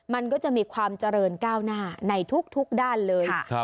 มันก็จะมีความเจริญก้าวหน้าในทุกด้านเลย